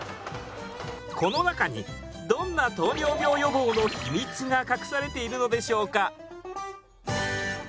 この中にどんな糖尿病予防の秘密が隠されているのでしょうか？